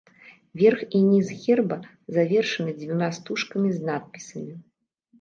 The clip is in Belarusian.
Верх і ніз герба завершаны дзвюма стужкамі з надпісамі.